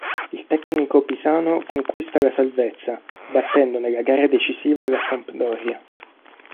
Il tecnico pisano conquista la salvezza, battendo nella gara decisiva la Sampdoria.